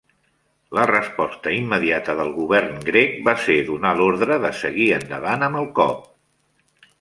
La resposta immediata del govern grec va ser donar l'ordre de seguir endavant amb el cop.